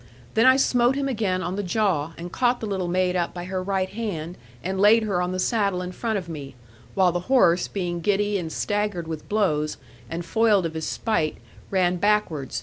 Then I smote him again on the jaw, and caught the little maid up by her right hand, and laid her on the saddle in front of me; while the horse being giddy and staggered with blows, and foiled of his spite, ran backward.